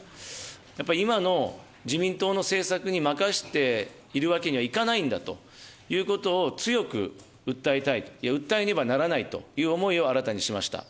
やっぱり今の自民党の政策に任せているわけにはいかないんだということを強く訴えたいと、訴えねばならないという思いを新たにしました。